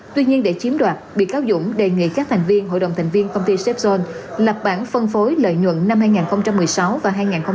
tuy nhiên để chiếm đoạt bị cáo dũng đề nghị các thành viên hội đồng thành viên công ty sép dôn lập bản phân phối lợi nhuận năm hai nghìn một mươi sáu và hai nghìn một mươi bảy